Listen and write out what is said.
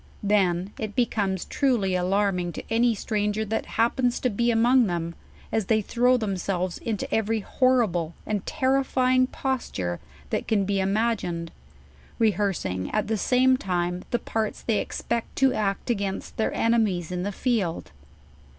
Then it becomes trujy alarming to any stranger that happens to be among them, as they throw themselves into every horrible and terrifying posture that can be ima gined, rehearsing nt the same time the parts they expect to act ag; iint/I tLeir enemies in tho field.